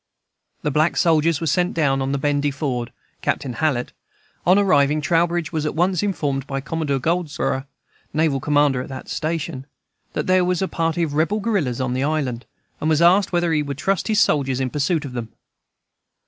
The black soldiers were sent down on the Ben De Ford, Captain Hallett. On arriving, Trowbridge was at once informed by Commodore Goldsborough, naval commander at that station, that there was a party of rebel guerillas on the island, and was asked whether he would trust his soldiers in pursuit of them.